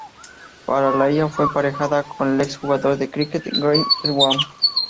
Para la ella fue emparejada con el ex jugador de cricket Graeme Swann.